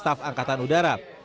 kepala staf angkatan udara